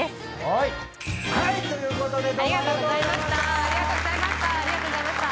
はい！ということでどうもありがとうございました！